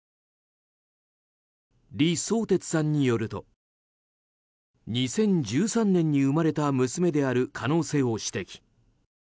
李相哲さんによると２０１３年に生まれた娘である可能性を指摘。